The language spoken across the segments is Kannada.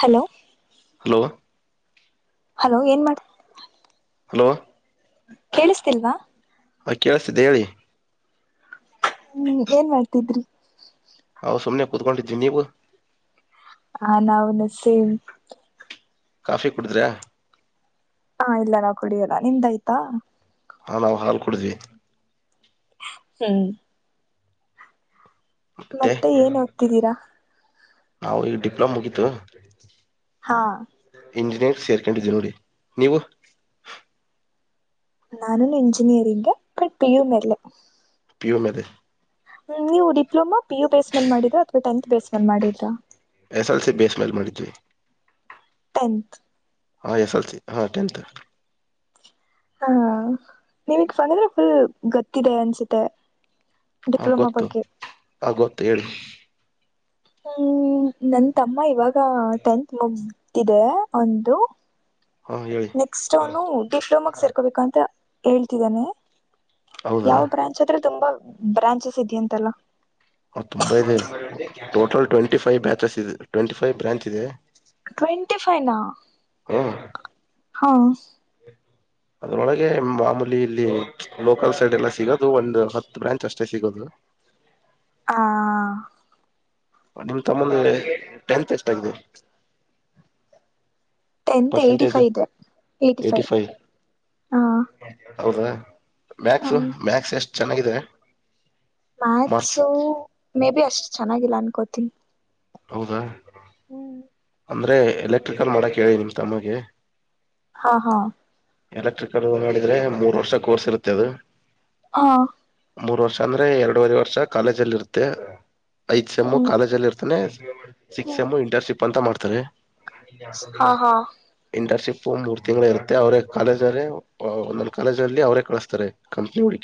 ಹಲೋ ಹಲೋ ಹಲೋ ಏನ್ ಮಾಡ್ ಹಲೋ ಕೇಳಿಸ್ತಿಲ್ವಾ. ಹಾ ಕೇಳಳ್ಸ್ತಿದ್ದೆ ಹೇಳಿ. ಹ್ಮ್ ಏನ್ ಮಾಡ್ತಿದ್ರಿ. ನಾವು ಸುಮ್ನೆ ಕುತ್ಕೊಂಡಿದ್ವಿ ನೀವು ಹಾ ನಾವುನು ಸೇಮ್. ಕಾಫಿ ಕುಡಿದ್ರಾ. ಹಾ ಇಲ್ಲಾ ನಾವ್ ಕುಡಿಯೋಲ್ಲ ನಿಂದಾಯ್ತಾ ಹಾಂ ನಾವು ಹಾಲು ಕೊಡಿದ್ವಿ. ಹ್ಮ್. ಮತ್ತೆ ಏನ್ ಓದ್ತಿದ್ದೀರಾ ನಾವು ಈಗ ಡಿಪ್ಲೊಮ ಮುಗಿತು ಹಾ. ಇಂಜಿನಿಯರ್ ಸೇರ್ಕೊಂಡಿದಿ ನೋಡಿ ನೀವು. ನಾನುನು ಇಂಜಿನಿಯರಿಂಗ್ ಬಟ್ ಪಿ ಯು ಮೇಲೆ. ಪೀ ಯು ಮೇಲೆ ಹ್ಮ್ ನೀವು ಡಿಪ್ಲೋಮಾ ಪಿ ಯು ಬೇಸ್ ಮೇಲೆ ಮಾಡಿದರಾ ಅಥವಾ ಟೆಂತ್ ಬೇಸ್ ಮೆಲ್ ಮಾಡಿದ್ರಾ ಎಸ್ ಎಲ್ ಸಿ ಬೇಸ್ ಮೇಲೆ ಮಾಡಿದ್ವಿ. ಟೆಂತ್ ಹಾ ಎಸ್ ಎಲ್ ಸಿ ಹಾಂ ಟೆಂತ್. ಹಾ ನೀವಕ್ ಬಂದ್ರೆ ಫುಲ್ ಗತ್ತಿದೆ ಅನ್ಸುತ್ತೆ. ಹ ಡಿಪ್ಲೊಮಾ ಗೊತ್ತು ಬಗ್ಗೆ ಆ ಗೊತ್ತು ಹೇಳಿ. ಹ್ಮ್ ನನ್ ತಮ್ಮ ಇವಾಗ ಟೆಂತ್ ಮುಗತಿದೆ ಅವಂದು. ಹಾ ಹೇಳಿ ನೆಕ್ಸ್ಟ್ ಅವನು ಡಿಪ್ಲೊಮಗ ಸೇರ್ಕೋಬೇಕು ಅಂತ ಹೇಳ್ತಿದ್ದಾನೆ. ಹೌದಾ ಯಾವ ಬ್ರಾಂಚ್ ಅಂದ್ರೆ ತುಂಬಾ ಬ್ರಾಂಚಸ್ ಇದೆಯಂತಲ್ಲ. ತುಂಬಾ ಇದೆ ಟೋಟಲ್ ಟ್ವೆಂಟಿ ಫೈವ್ ಬ್ಯಾಚಸ್ ಇದೆ ಟ್ವೆಂಟಿ ಫೈವ್ ಬ್ರಾಂಚ್ ಇದೆ. ಟ್ವೆಂಟಿ ಫೈವ್ ಹ್ಮ್ ಹಾ. ಅದ್ರೊಳಗೆ ಮಾಮೂಲಿ ಇಲ್ಲಿ ಲೋಕಲ್ ಸೈಡ್ ಎಲ್ಲ ಸಿಗೋದು ಒಂದ ಹತ್ತು ಬ್ರಾಂಚ್ ಅಷ್ಟೇ ಸಿಗೋದು. ಹಾ. ನಿಮ್ ತಮ್ಮಂದ ಟೆಂತ್ ಎಷ್ಟ ಆಗಿದೆ. ಟೆತ್ ಏಟಿ ಪರ್ಸೆಂಟೇಜ್ ಫೈವ್ ಇದೆ ಏಯ್ಟಿ ಏಟಿಪೈವ ಫೈವ್ ಹ. ಹೌದಾ ಮ್ಯಾಕ್ಸ್ ಮ್ಯಾಕ್ಸ್ ಎಷ್ಟು ಚೆನ್ನಾಗಿದೆ. ಮಾರ್ಕ್ಸ್ ಮ್ಯಾಥ್ಸು ಮೇ ಬಿ ಅಷ್ಟು ಚೆನ್ನಾಗಿಲ್ಲ ಅನ್ಕೋತಿನಿ. ಹೌದಾ. ಹ್ಮ್. ಅಂದ್ರೆ ಎಲೆಕ್ಟ್ರಿಕಲ್ ಮಾಡಕ್ ಹೇಳಿ ನಿಮ್ ತಮ್ಮಗೆ. ಹಾ ಹಾ. ಎಲೆಕ್ಟ್ರಿಕಲ್ ಮಾಡಿದ್ರೆ ಮೂರ್ ವರ್ಷ ಕೋರ್ಸ್ ಇರುತ್ತೆ ಅದು. ಹಾ. ಮೂರ್ ವರ್ಷ ಅಂದ್ರೆ ಎರಡೂವರೆ ವರ್ಷ ಕಾಲೇಜ್ ಅಲ್ಲಿ ಇರುತ್ತೆ ಐದು ಸೇಮ್ ಹ್ಮ್ ಕಾಲೇಜಲ್ಲಿ ಇರ್ತ್ತ [unintelligible] ಸಿಕ್ ಹ್ಮ್ ಎಮ್ ಇಂಟರ್ನ್ಶಿಪ್ ಅಂತ ಮಾಡ್ತಾರೆ. ಹಾ ಹಾ ಇಂಟರ್ಷಿಪ್ಪು ಮೂರ ತಿಂಗಳು ಇರುತ್ತ ಅವರೆ ಕಾಲೇಜ್ ಅವ್ರೆ ಒಂದೊಂದ ಕಾಲೇಜ್ ಅಲ್ಲಿ ಅವರೇ ಕಳಸ್ತಾರೆ ಕಂಪ್ನಿ. [unintelligible]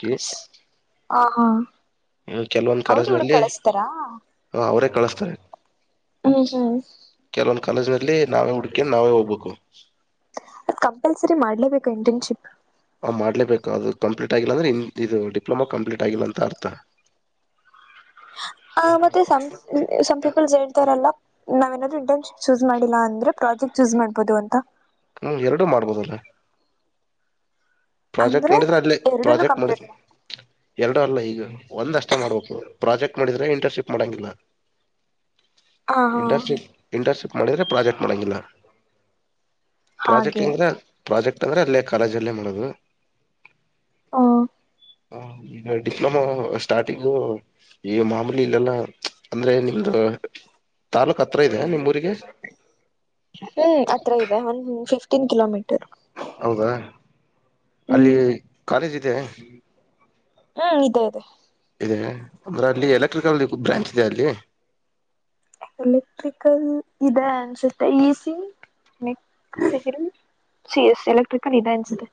ಹ ಹಾ ಕೆಲವೊಂದ ಅವ್ರು ಹುಡುಗ ಕಾಲೇಜ್ನಲ್ಲಿ. ಕಳಸ್ತಾರಾ ಹಾ ಅವರೇ ಕಳಸ್ತಾರೆ. [inaudible] ಕೆಲವೊಂದ್ ಕಾಲೇಜ್ಲ್ಲಿ ನಾವೇ ಹುಡ್ಕಿ ನಾವೇ ಹೋಗ್ಬೇಕು. ಅದ್ ಕಂಪಲ್ಸರಿ ಮಾಡ್ಲೇಬೇಕು ಇಂಟರ್ನ್ಶಿಪ್. ಮಾಡ್ಲೇಬೇಕು ಅದು ಕಂಪ್ಲೀಟ್ ಆಗಿಲ್ಲ ಅಂದ್ರೆ ಇನ್ ಇದು ಡಿಪ್ಲೊಮ ಕಂಪ್ಲೀಟ್ ಆಗಿಲ್ಲ ಅಂತ ಅರ್ಥ. ಆ ಮತ್ತೆ ಸಂ ಸಂಮ್ ಪೀಪಲ್ ಹೇಳ್ತಾರಲ್ಲ. ನಾವ್ನಾದರು ಇಂಟರ್ನ್ಶಿಪ್ ಚೂಸ್ ಮಾಡಿಲ್ಲ ಅಂದ್ರೆ ಪ್ರಾಜೆಕ್ಟ್ ಚೂಸ್ ಮಾಡ್ಬಹದು ಅಂತ. ಹ್ಮ್ ಎರಡು ಮಾಡಬಹುದು. ಪ್ರಾಜೆಕ್ಟ್ ಅಂದ್ರೆ ನೋಡಿದ್ರೆ ಅಲ್ಲಿ ಎರಡನ್ನು ಪ್ರಾಜೆಕ್ಟ್ ಕಂಪ್ಲೀಟ್ ಮಾಡಿದ್ವಿ. ಮಾಡ ಎರಡು ಅಲ್ಲ ಈಗ ಒಂದಷ್ಟೇ ಮಾಡ್ಬೇಕು ಪ್ರಾಜೆಕ್ಟ್. ಮಾಡಿದ್ರೆ ಇಂಟರ್ನ್ಶಿಪ್ ಮಾಡಂಗಿಲ್ಲ ಹ ಹಾ ಇಂಟರ್ನ್ಶಿಪ್. ಇಂಟರ್ನ್ಶಿಪ್ ಮಾಡಿದ್ರೆ ಪ್ರಾಜೆಕ್ಟ್ ಮಾಡಂಗಿಲ್ಲ ಪ್ರಾಜೆಕ್ಟ್. ಹಾಗೆ ಪ್ರಾಜೆಕ್ಟ್ ಅಂದ್ರೆ ಅಲ್ಲೇ ಕಾಲೇಜ್ಲ್ಲೇ ಮಾಡೋದು. ಹಾ. ಹ ಈಗ ಡಿಪ್ಲೊಮಾ ಸ್ಟಾರ್ಟಿಂಗು. ಈ ಮಾಮೂಲಿ ಇಲ್ಲೆಲ್ಲ ಅಂದ್ರೆ ನಿಮ್ದು ತಾಲೂಕ್ ಹತ್ರ ಇದೆ ನಿಮ್ಮ್ ಊರಿಗೆ. ಹ್ಮ್ ಅತ್ರ ಇದೆ ಒಂದ ಫಿಫ್ಟೀನ್ ಕಿಲೋಮೀಟರ್. ಹೌದಾ ಅಲ್ಲಿ ಹ್ಮ್ ಕಾಲೇಜ್ ಇದೆ. ಹ್ಮ್ ಇದೆೇ ಇದೆ. ಇದೆ ಅಂದ್ರೆ ಅಲ್ಲಿ ಎಲೆಕ್ಟ್ರಿಕಲ್ ಬ್ರಾಂಚ್ ಇದೆ ಅಲ್ಲಿ. ಎಲೆಕ್ಟ್ರಿಕಲ್ ಇದೆ ಅನ್ಸುತ್ತೆ ಈ ಸಿ ಸಿ ಎಸ್ ಎಲೆಕ್ಟ್ರಿಕಲ್ ಇದೆ ಅನ್ನಿಸುತ್ತೆ.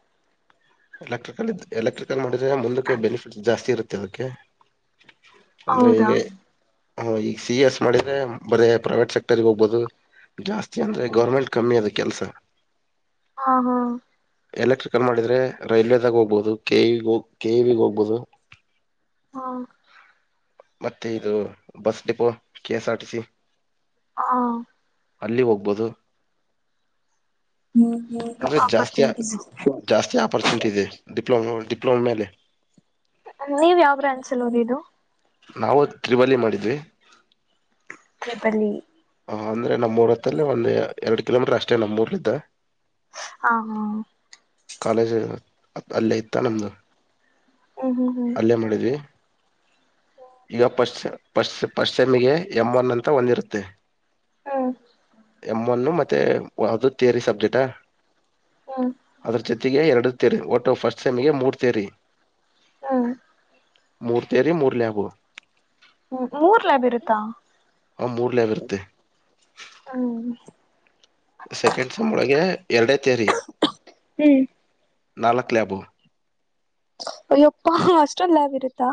ಎಲೆಕ್ಟ್ರಿಕಲ್ ಇದ ಎಲೆಕ್ಟ್ರಿಕಲ್ ಮಾಡಿದ್ರೆ ಮುಂದಕ್ಕೆ ಬೆನಿಫಿಟ್ಸ್ ಜಾಸ್ತಿ ಇರುತ್ತೆ ಅದಕ್ಕೆ. ಅಂದ್ರೆ ಹೌದಾ ಈಗ ಈಗ ಸಿ ಎ ಎಸ್ ಮಾಡಿದ್ರೆ ಬರೇ ಪ್ರೈವೇಟ್ ಸೆಕ್ಟರ್ಗೆ ಹೋಗ್ಬಹದು. ಜಾಸ್ತಿ ಅಂದ್ರೆ ಗೌರ್ಮೆಂಟ್ ಕಮ್ಮಿ ಅದ ಕೆಲಸ. ಹಾ ಹಾ ಎಲೆಕ್ಟ್ರಿಕಲ್ ಮಾಡಿದ್ರೆ ರೈಲ್ವೆದಾಗ ಹೋಗ್ಬಹುದು ಕೆ ವಿ ಹೋಗ ಕೆ ವಿ ಹೋಗ್ಬಹುದು ಹಾ ಮತ್ತೆ ಇದು bus depot K S R T C. ಹಾ ಅಲ್ಲಿ ಹೋಗ್ಬೋದು. ಹ್ಮ್ ಹ್ಮ್ ಆಪರಚುನಿಟಿ ಅಪಾರ್ಚುನಿಟಿ ಇದೆ ಡಿಪ್ಲೊಮೋ ಡಿಪ್ಲೊಮ ಮೇಲೆ. ನೀವು ಯಾವ ಬ್ರಾಂಚ್ ಅಲ್ಲಿ ಓದಿದ್ದು. ನಾವು ತ್ರಿಬಾಲಿ ಮಾಡಿದ್ವಿ. ತ್ರಿಬಲಿ ಹ ಅಂದ್ರೆ ನಮ್ಮೂರ್ ಹೊತ್ತಲ್ಲಿ ಒಂದು ಎರಡು ಕಿಲೋಮೀಟರ್ ಅಷ್ಟೇ ನಮ್ಮೂರೂಯಿದೆ. ಹ ಹಾ ಕಾಲೇಜ್ ಅಲ್ಲೇ ಇತ್ತ ನಿಮ್ದು. ಹ್ಮ ಹ್ಮ ಹ್ಮ್ ಅಲ್ಲೇ ಮಾಡಿದ್ವಿ. ಈಗ ಫ್ರಿಸ್ಟ್ ಫ್ರಿಸ್ಟ್ ಸೆಮಿಗೆ ಎಂ ಒನ್ ಅಂತ ಒಂದಿರುತ್ತೆ. ಹ್ಮ್ ಎಂ ಒನ್ ಮತ್ತೆ ಅದು ಥಿಯರಿ ಸಬ್ಜೆಕ್ಟಾ. ಹ್ಮ್ ಅದರ ಜೊತೆಗೆ ಎರಡು ತೇರಿ ಒಟ್ಟು ಫಸ್ಟ್ ಸೈಮಿಗೆ ಮೂರು ತೇರಿ. ಹಾ ಮೂರು ಥಿಯರಿ ಮೂರು ಲ್ಯಾಬ್ ಮೂರ್ ಲ್ಯಾಬ್ ಇರುತ್ತಾ. ಆ ಮೂರ್ ಲ್ಯಾಬ್ ಇರುತ್ತೆ. ಹ. ಸೆಕೆಂಡ್ ಸಮ್ ಒಳಗೆ ಎರಡೇ ತೇರಿ ಹ್ಮ್ ನಾಲ್ಕ್ ಲ್ಯಾಬು ಅಯ್ಯಪ್ಪ ಅಷ್ಟೊಂದ್ ಲ್ಯಾಬ್ ಇರುತ್ತಾ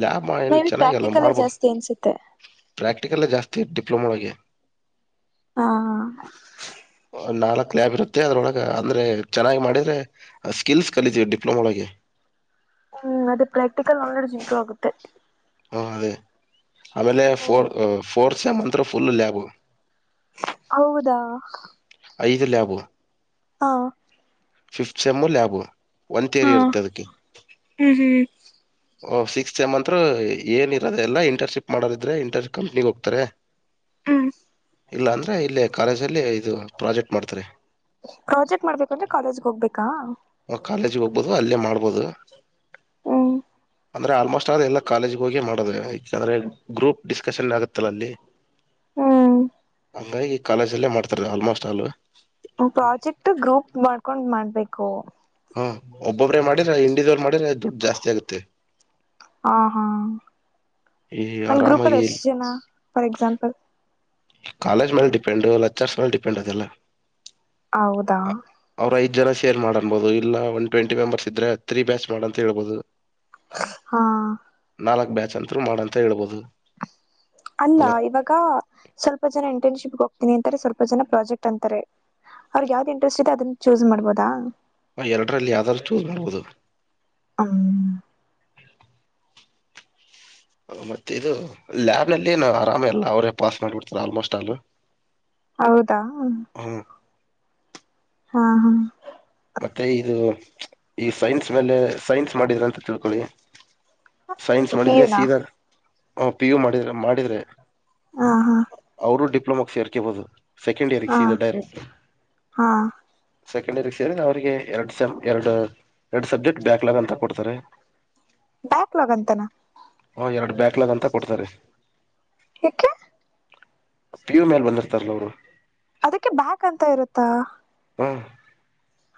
ಲ್ಯಾಬ್ ಏನ್ ಮೇ ಬಿ ಚೆನ್ನಾಗ ಅಲ್ಲ ಪ್ರಾಕ್ಟಿಕಲೇ ಮಾಡ್ಬೋದು ಜಾಸ್ತಿ ಅನ್ಸುತ್ತೆ ಪ್ರಾಕ್ಟಿಕಲ್ ಜಾಸ್ತಿ ಡಿಪ್ಲೊಮ ಒಳಗೆ ಹಾ ನಾಲ್ಕು ಲ್ಯಾಬ್ ಇರುತ್ತೆ ಅದ್ರೊಳಗ ಅಂದ್ರೆ ಚೆನ್ನಾಗ ಮಾಡಿದ್ರೆ ಸ್ಕಿಲ್ಸ್ ಕಲಿತೀವಿ ಡಿಪ್ಲೊಮಾ ಒಳಗೆ ಹ್ಮ್ ಅದೇ ಪ್ರಾಕ್ಟಿಕಲ್ ನಾಲೆಡ್ಜ್ ಇಂಪ್ರೂ್ ಆಗುತ್ತೆ. ಹ ಅದೇ ಆಮೇಲೆ ಫೋರ್ ಫೋರ್ ಸೇಮ್ ಅಂತ್ರು ಫುಲ್ ಲ್ಯಾಬ ಹೌದಾ. ಐದ ಲ್ಯಾಬು ಹಾ. ಫಿಫ್ಟ ಸೇಮ್ ಲ್ಯಾಬು ಒಂದು ತೇರಿ ಇರುತ್ತೆ ಅದಕ್ಕೆ ಹ್ಮ ಹ್ಮ. ಓ ಸಿಕ್ಸ್ ಸೆಮಂತ್ರು ಏನ್ ಇರೋದೆ ಎಲ್ಲ ಇಂಟರ್ನ್ಶಿಪ್ ಮಾಡದಿದ್ರೆ ಇಂಟರ್ಪ್ ಕಂಪ್ನಿಗೆ ಹೋಗ್ತಾರೆ. ಹ್ಮ. ಇಲ್ಲ ಅಂದರೆ ಇಲ್ಲೆ ಕಾಲೇಜಲ್ಲಿ ಇದು ಪ್ರಾಜೆಕ್ಟ್ ಮಾಡ್ತಾರೆ. ಪ್ರಾಜೆಕ್ಟ್ ಮಾಡ್ಬೇಕಂದ್ರೆ ಕಾಲೇಜ್ಗ ಹೋಗ್ಬೇಕಾ. ಹಾ ಕಾಲೇಜಿಗೆ ಹೋಗ್ಬಹದು ಅಲ್ಲೇ ಮಾಡ್ಬೋದು. ಹ್ಮ್ ಅಂದ್ರ ಆಲ್ಮೋಸ್ಟ್ ಆಲ್ ಎಲ್ಲ ಕಾಲೇಜ್ ಹೋಗಿ ಮಾಡದ ಯಾಕಂದ್ರೆ ಗ್ರೂಪ್ ಡಿಸ್ಕಶನ್ ಆಗುತ್ತಲ್ಲ ಅಲ್ಲಿ. ಹ್ಮ್. ಹಂಗಾಗಿ ಕಾಲೇಜಲ್ಲೇ ಮಾಡ್ತಿದೆ ಆಲ್ಮೋಸ್ಟ್ ಆಲ್. ಪ್ರಾಜೆಕ್ಟ್ ಗ್ರೂಪ್ ಮಾಡ್ಕೊಂಡ್ ಮಾಡ್ಬೇಕು. ಹಾ ಒಬ್ಬೊಬ್ರೆ ಮಾಡಿರ ಇಂಡಿವಿಜುಲ್ ಮಾಡಿರ ದುಡ್ ಜಾಸ್ತಿ ಆಗುತ್ತೆ. ಹ ಹಾ ಈ ಒಂದ ಗ್ರೂಪಲ್ಲಿ ಆರಾಮಾಗಿ ಎಷ್ಟ್ ಜನ ಫಾರ್ ಎಕ್ಸಾಂಪಲ್. ಕಾಲೇಜ್ ಮೇಲೆ ಡಿಪೆಂಡ್ ಲೆಚರ್ಸ್ ಮೇಲೆ ಡಿಪೆಂಡ್ ಅದೆಲ್ಲ. ಹೌದಾ. ಅವ್ರರ ಐದ ಜನ ಸೇರ್ ಮಾಡನ್ಬಹುದು ಇಲ್ಲ ಒನ್ ಟ್ವೆಂಟಿ ಮೆಂಬರ್ಸ್ ಇದ್ರೆ ತ್ರೀ ಬ್ಯಾಚ್ ಮಾಡ ಅಂತ ಹೇಳ್ಬಹುದು. ಹಾ. ನಾಲ್ಕ್ ಬ್ಯಾಚ್ ಅಂತರು ಮಾಡಂತ ಹೇಳ್ಬೋುದು. ಅಲ್ಲಾ ಇವಾಗ ಸ್ವಲ್ಪ ಜನ ಇಂಟರ್ನ್ಶಿಪ್ಗೆ ಹೋಗ್ತೀನಿ ಅಂತಾರೆ ಸ್ವಲ್ಪ ಜನ ಪ್ರಾಜೆಕ್ಟ್ ಅಂತಾರೆ. ಅವ್ರಿಗೆ ಯಾವ್ದ ಇಂಟರೆಸ್ಟ್ ಇದೆ ಅದನ್ನ ಚೂಸ್ ಮಾಡ್ಬೋದಾ. ಹ ಎರಡರಲ್ಲಿ ಯಾವ್ದಾದ್ರು ಚೂಸ್ ಮಾಡ್ಬೋದು. ಹ್. ಮತ್ತೆ ಇದು ಲ್ಯಾಬ್ ನಲ್ಲಿ ಆರಾಮ ಎಲ್ಲ ಅವರೇ ಪಾಸ್ ಮಾಡ್ಬಿಡ್ತಾರ ಆಲ್ಮೋಸ್ಟ್ ಆಲ್ ಹೌದಾ. ಹ್ಮ್. ಹಾ ಹಾ. ಮತ್ತೆ ಇದು ಈ ಸೈನ್ಸ್ ಮೇಲೆ ಸೈನ್ಸ್ ಮಾಡಿದ್ರ ಅಂತ ತಿಳ್ಕೊಳ್ಳಿ. ಸೈನ್ಸ್ ಪಿ ಮಾಡಿದ್ರೆ ಯು ನಾ ಸೀದಾ ಹಾ ಪಿ ಯು ಮಾಡಿದ್ರ ಮಾಡಿದ್ರೆ. ಹಾ ಹಾ. ಅವ್ರು ಡಿಪ್ಲೋಮಾಕ್ಸ್ ಸೆರ್ಕಬಹುದು ಸೆಕೆಂಡ್ ಇಯರ್ ಕ ಹಾ ಸೀದಾ ಡೈರೆಕ್ಟ್ ಹಾ ಸೆಕೆಂಡ್ ಇಯರ್ ಏನಿಲ್ಲಾ ಅವರಿಗೆ ಎರಡ ಸೇಮ್ ಎರಡು ಎರಡು ಸಬ್ಜೆಕ್ಟ್ ಬ್ಯಾಕ್ಲಾಗ್ ಅಂತ ಕೊಡ್ತಾರೆ. ಬ್ಯಾಕ್ಲಾಗ್ ಅಂತಾನ. ಹಾಂ ಎರಡು ಬ್ಯಾಕ್ಲಾಗ್ ಅಂತ ಕೊಡ್ತಾರೆ. ಯಾಕೆ. ಪಿ ಯು ಮೇಲೆ ಬಂದಿರ್ತಾರೆ ನೋಡ್ರಿ ಅದಕ್ಕೆ ಬ್ಯಾಕ್ ಅಂತ ಇರುತ್ತಾ ಹ್ಮ್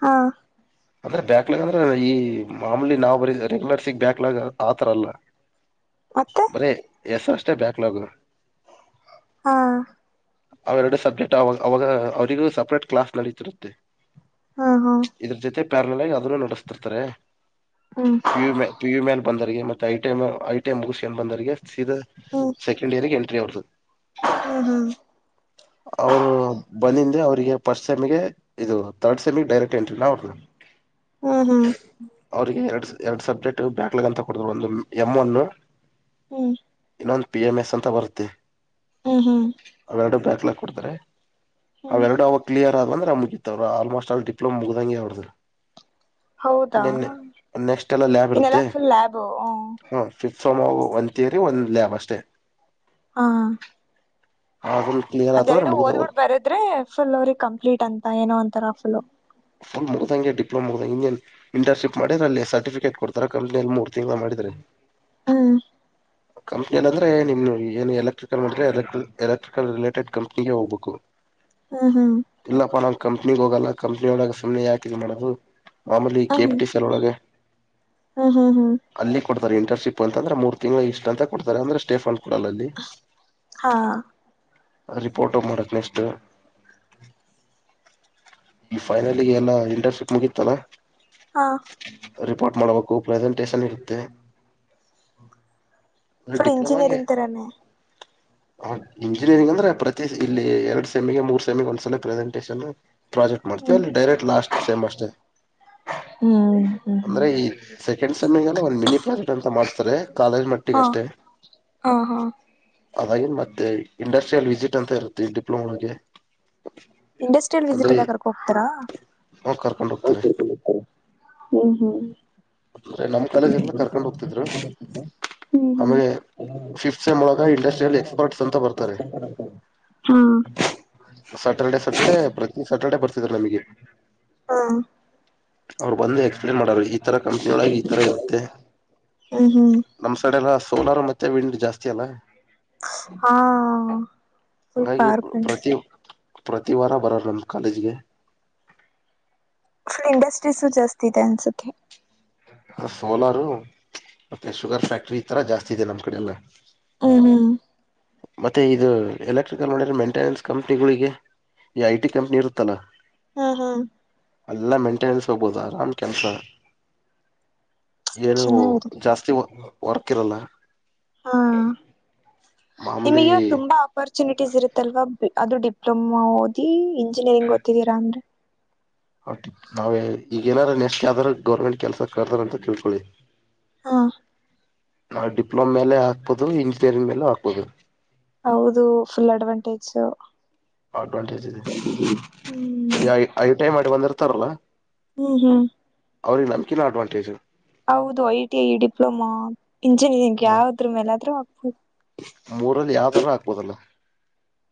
ಹಾ ಅಂದ್ರೆ ಬ್ಯಾಕ್ಲಾಗ್ ಅಂದ್ರೆ ಈ ಮಾಮೂಲಿ ನಾವ್ ಬರೀ ರೆಗ್ಯುಲರ್ಸಿಗ್ ಬ್ಯಾಕ್ಲಾಗ್ ಆತರ ಆಲ್ಲ ಮತ್ತೆ ಬರೀ ಎಸ ಅಷ್ಟೇ ಬ್ಯಾಕ್ಲಾಗು ಹಾ ಅವ ಎರಡು ಸಬ್ಜೆಕ್ಟ್ ಅವಾಗ ಅವಾಗ ಅವರಿಗೂ ಸಪ್ರಟ್ ಕ್ಲಾಸ್ ನಡೀತಿರುತ್ತೆ. ಹಾ ಹಾ ಇದ್ರ ಜೊತೆ ಪ್ಯಾರ್ನಲ್ ಆಗಿ ಅದನ್ನು ನಡೆಸ್ತಿರ್ತಾರೆ. ಹ್ಮ್ ಪಿ ಯು ಮೇಲೆ ಬಂದರಗೆ ಐಟ ಐಟ ಮುಗಿಸಿ ಬಂದರ್ಗೆ ಸೀದಾ ಹ್ಮ ಇಂಡ [unintelligible] ಎಂಟ್ರಿಅವರ್ದು ಹಹೌದು ಅವರು ಬಂದಿಂದೆ ಅವ್ರಿಗೆ ಫಸ್ಟ್ ಸೆಮಿಗೆ ಇದು ತರ್ಡ್ ಸೆಮಿಗೆ ಡೈರೆಕ್ಟ್ ಎಂಟ್ರಿನ ಅವ್ರ ಹ್ಮ ಹ್ಮ್ ಅವ್ರರಿಗೆ ಎರಡು ಎರಡ್ ಸಬ್ಜೆಕ್ಟ್ ಬ್ಯಾಕ್ಲಾಗ್ ಅಂತ ಕೊಡತರು ಒಂದು ಎಮ್ ಅನ್ನು ಹ್ಮ ಇನ್ನೊಂದು ಪಿ ಎಮ್ ಎಸ್ ಅಂತ ಬರುತ್ತೆ. ಹ ಹಾ ಅವೆರಡು ಬ್ಯಾಕ್ಲಾಗ್ ಕೊಡ್ತಾರೆ ಅವೆರಡು ಅವ ಕ್ಲಿಯರ್ ಆದ ಅಂದ್ರ ಮುಗಿತ್ ಅವರು ಆಲ್ಮೋಸ್ಟ್ ಆಲ್ ಡಿಪ್ಲೋಮ ಮುಗ್ದಂಗೆ ಅವ್ರರು ಹೌದಾ ನಿನ್ನೆ ನೆಕ್ಸ್ಟ್ ಎಲ್ಲ ಲ್ಯಾಬ್ ಇನ್ನೆಲ್ಲಾ ಇರುತ್ತೆ ಫುಲ್ ಲ್ಯಾಬು ಹಾ ಫಿಫ್ತ್ ಸೆಮ್ ಒಂದು ತೀಯರಿ ಒಂದು ಲ್ಯಾಬ್ ಅಷ್ಟೇ ಹಾ ಅದನ್ನ ಕ್ಲಿಯರ್ ಆತಂದ್ರೆ ಅದೆರಡು ಮುಗ್ದ ಓದ್ಬಿಟ್ ಬರದ್ರೆ ಫುಲ್ ಅವ್ರರಿಗೆ ಕಂಪ್ಲೀಟ್ ಅಂತ ಏನೋ ಒಂತರ ಫುಲ್ ಫುಲ್ ಮುದ್ದಂಗೆ ಡಿಪ್ಲೋಮಾ ಮುದ್ದಂಗೆ ಇನ್ನೇನು ಇಂಟರ್ನ್ಶಿಪ್ ಮಾಡಿದ್ರ ಅಲ್ಲಿ ಸರ್ಟಿಫಿಕೇಟ್ ಕೊಡ್ತಾರೆ ಅಲ್ಲಿ ಕಂಪನಿಲಿ ಮೂರ್ ತಿಂಗಳ ಮಾಡಿದ್ರೆ ಹ್ಮ್ ಕಂಪ್ನಿಯ ಅಂದ್ರೆ ನಿಮ್ ಏನು ಎಲೆಕ್ಟ್ರಿಕಲ್ ಮಾಡಿದ್ರೆ ಎಲೆ ಎಲೆಕ್ಟ್ರಿಕಲ್ ರಿಲೇಟೆಡ್ ಕಂಪ್ನಿಗೆ ಹೋಗ್ಬೇಕು ಹ್ಮ್ ಹ್ಮ ಇಲ್ಲಪ್ಪಾ ನಾ ಕಂಪ್ನಿಗ್ ಹೋಗಲ್ಲ ಕಂಪ್ನಿ ಒಳಾಗ ಸುಮ್ಮನೆ ಯಾಕಿದ ಮಾಡೋದು ಮಾಮೂಲಿ ಕೆಪಿಟಿ [unintelligible] ಲೋಳಗೆ ಹ್ಮ ಹ್ಮ ಹ್ಮ ಅಲ್ಲಿ ಕೊಡ್ತಾರೆ ಇಂಟರ್ನ್ಶಿಪ್ ಅಂತಂದ್ರೆ ಮೂರು ತಿಂಗಳು ಇಸ್ಟ್ ಅಂತ ಕೊಡ್ತಾರೆ ಅಂದ್ರೆ ಸ್ಟೇಫಂಡ್ ಕೊಡಲ್ಲ ಅಲ್ಲಿ ಹಾ ರಿಪೋರ್ಟ್ ಮಾಡಕ್ ನೆಸ್ಟ್ ಈ ಫೈನಲ್ಗೆ ಎಲ್ಲಾ ಇಂಟರ್ನ್ಶಿಪ್ ಮುಗಿತ್ತಲಾ ಹಾ ರಿಪೋರ್ಟ್ ಮಾಡ್ಬೇಕು ಪ್ರೆಸೆಂಟೇಶನ್ ಇರುತ್ತೆ. ಫುಲ್ ಇಂಜಿನಿಯರಿಂಗ್ ತರಾನೆ ಹ ಇಂಜಿನಿಯರಿಂಗ್ ಅಂದ್ರೆ ಪ್ರತಿ ಇಲ್ಲಿ ಎರಡ್ ಸೆಮಿಗೆ ಮೂರ್ ಸೆಮಿಗೆ ಒಂದ್ಸಲ ಪ್ರೆಸೆಂಟೇಷನ್ ಪ್ರಾಜೆಕ್ಟ್ ಮಾಡ್ತೀಯ ಹ್ಮ್ ಅಲ್ಲಿ ಡೈರೆಕ್ಟ್ ಲಾಸ್ಟ್ ಸೇಮ್ ಅಷ್ಟೇನೆ ಹ್ಮ್ ಹ್ಮ್ ಹ್ಮ್ ಅಂದ್ರೆ ಈ ಸೆಕೆಂಡ್ ಸೆಮ್ಮಿಂಗ ಎಲ್ಲ ಒಂದ ಮಿನಿ ಪ್ರಾಜೆಕ್ಟ್ ಅಂತ ಮಾಡ್ತಾರೆ ಕಾಲೇಜ್ ಮಟ್ಟ. ಹಾ ಅಷ್ಟ..... ಹಾ ಹಾ ಅದಾಗಿ ಮತ್ತೆ ಇಂಡಸ್ಟ್ರಿಯಲ್ ವಿಸಿಟ್ ಅಂತ ಇರುತ್ತೆ ಡಿಪ್ಲೊಮಾಗೆ. ಇಂಡಸ್ಟ್ರಿಯಲ್ ವಿಸಿಟ ಅಂದ್ರೆ ಎಲ್ಲಾ ಕೋರಕುಂಡ ಹೋಗ್ತಾರ...... ಕರ್ಕೊಂಡ್ ಹೋಗ್ತಾರೆ ಹ್ಮ್ ಹ್ಮ್..... ಅಂದ್ರೆ ನಮ್ ಕಾಲೇಜ್ ಎಲ್ಲ ಕರ್ಕೊಂಡ್ ಹೋಗ್ತಿದ್ರು ಹ್ಮ್ ಹ್ಮ........... ಆಮೇಲೆ ಫಿಫ್ತ್ ಸೆಮ್ ಒಳಗ ಇಂಡಸ್ಟ್ರಿಯಲ್ ಎಕ್ಸ್ಪರ್ಟ್ಸ್ ಅಂತ ಬರ್ತಾರೆ ಹ್ಮ್. ಸ್ಯಾಟರ್ಡೆ ಸ್ಯಾಟರ್ಡೆ ಪ್ರತಿ ಸ್ಯಾಟರ್ಡೆ ಬರ್ತಿದರಲ್ಲ ನಮಗೆ. ಹ್ಮ್ ಅವ್ರು ಬಂದು ಎಕ್ಸ್ಪ್ಲೇನ್ ಮಾಡಾರ ಈತರ ಕಂಪನಿ ಒಳೆಗೆ ಈ ತರ ಇರುತ್ತೆ. ಹ್ಮ್ ಹ್ಮ್ ನಮ್ ಸಡೆ ಎಲ್ಲ ಸೋಲಾರ ಮತ್ತೆ ವಿಂಡ್ ಜಾಸ್ತಿ ಅಲ್ಲಾ. ಹಾ ಹಾ ಹಾ... ಹಾಗಾಗಿ ಸ್ಲ್ಪಾರ್ಕ. ಪ್ರತಿ ಪ್ರತಿ ವಾರ ಬರೋರ ನಮ ಕಾಲೇಜ್ಗೆ. ಇಂಡಸ್ಟ್ರೀಸು ಜಸ್ತಿ ಇದೇ ಅನ್ಸುತ್ತೆ. ಅ ಸೋಲಾರ ಮತ್ತೆ ಶುಗರ್ ಫ್ಯಾಕ್ಟ್ರಿ ಈ ತರ ಜಾಸ್ತಿ ಇದೆ ನಮ್ಮ್ ಕಡೆ ಎಲ್ಲ. ಹ್ಮ ಹ್ಮ. ಮತ್ತೆ ಇದು ಎಲೆಕ್ಟ್ರಿಕಲ್ ನೋಡಿದ್ರ ಮೇಂಟೆನೆನ್ಸ್ ಕಂಪ್ನಿಗಳಿಗೆ. ಈ ಐಟಿ ಕಂಪ್ನಿ ಇರುತ್ತಲಾ. ಹಾ ಹಾ ಅಲ್ಲ ಮೆಂಟೆನೆನ್ಸ್ ಹೋಗಬೋದು ಆರಾಮ್ ಕೆಲಸ. ಏನು ಚೆನ್ನಾಗಿರುತ್ತೆ ಜಾಸ್ತಿ ವರ್ಕ್ ಇರಲ್ಲ. ಹಾ ನಿಮಗ ಮಾಮೂಲಿ ಇವಾಗ ತುಂಬಾ. ಅಪಾರ್ಚುನಿಟೀಸ್ ಇರುತ್ತಲ್ವಾ ಅದು ಡಿಪ್ಲೊಮಾ ಓದಿ ಇಂಜಿನಿಯರಿಂಗ ಓದೀತಿರಾ ಅಂದ್ರೆ. ಓಕೆ ನಾವೇ ಈಗ ಏನಾರ ನೆಸ್ಟ್ ಯ ಯಾವದರ ಗರ್ಮೆಂಟ್ ಕೆಲಸ ಕರ್ದಾರ ಅಂತ ತಿಳ್ಕೊಳ್ಳಿ. ಹಾ ನಾವು ಡಿಪ್ಲೋಮ ಮೇಲ್ ಆಕ್ಬಹುದು ಇಂಜಿನಿಯರಿಂಗ್ ಮೇಲೇ ಆಕ್ಬಹದು. ಹೌದು ಫುಲ್ ಅಡ್ವಾಂಟೇಜ್. ಅಡ್ವಾಂಟೇಜ್ ಇದೆ ಹ್ಮ್ ಐಟಿಐ ಮಾಡಿ ಬಂದಿರ್ತಾರಲ್ಲ. ಹ್ಮ್ ಹ್ಮ್. ಅವ್ರಿಗೆ ನಂಬಿಕೆನ ಅಡ್ವಾಂಟೇಜು. ಹೌದು I T I diploma engineering ಹ ಯಾವ್ದ್ರ ಮೇಲಾದ್ರು ಆಗ್ಬದು.. ಮೂರಲ್ಲಿ ಯಾವ್ದರ ಹಾಕ್ಬೋದಲ್ಲ.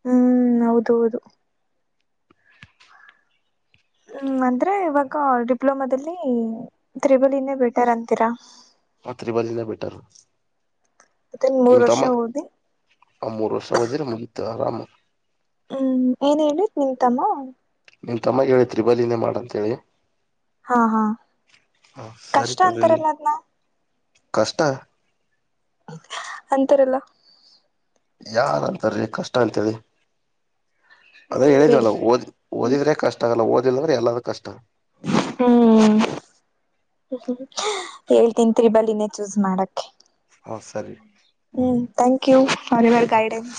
ಹ್ಮ್ ಹ್ಮ್ ಹೌದೌದು. ಹ್ಮ್ ಅಂದ್ರೆ ಇವಾಗ ಡಿಪ್ಲೊಮಾದಲ್ಲಿ ತ್ರಿಬಲಿನೇ ಬೆಟರ್ ಅಂತೀರಾ. ತ್ರಿಬ್ಲೀನೆ ಬೇಟಾರು ಮತ್ತನ್ ಮೂರ್ ವರ್ಷ ಓದಿ ಆ ಮೂರ್ ವರ್ಷ ಹೋದ್ರೆ ಮುಗತು ಆರಾಮ್. ಹ್ಮ್ ಏನ್ ಹೇಳಿ ನಿಮಂತಮ್ಮ. ನಿನ್ ತಮ್ಮಗೆ ಹೇಳಿ ತ್ರಿಬಲಿನೇ ಮಾಡ ಅಂತ ಹೇಳಿ. ಹಾ ಹಾ ಹ ಸರಿ ಕಷ್ಟ ತಡ್ರಿಲ್ಲಿ ಅಂತಾರಲ್ಲಅದ್ನ. ಕಷ್ಟ. ಹಾ... ಅಂತಾರಲ್ಲ. ಯಾರ ಅಂತಾರೀ ಕಷ್ಟ ಅಂತ ಹೇಳಿ.... ಅದ ಹ್ಮ್ ಬಿಡಿ ಹೇಳನಿದವಲ್ಲ ಓದ್ ಓದಿದ್ರೆ ಕಷ್ಟ ಆಗಲ್ಲ ಓದಿಲ್ಲದ್ರೆ ಎಲ್ಲರೂ ಕಷ್ಟ. ಹ್ಮ್. [unintelligible] ಮಾಡಕ್ಕೆ ಹಾ ಸರಿ ಹ್ಮ್ ಥಾಂಕ್ ಯು ಫಾರ್ ಯುವರ್ ಹ ಗೈಡೆನ್ಸ್